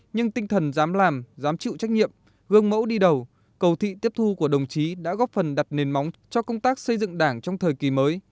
nhưng tinh thần dám làm dám chịu trách nhiệm gương mẫu đi đầu cầu thị tiếp thu của đồng chí đã góp phần đặt nền móng cho công tác xây dựng đảng trong thời kỳ mới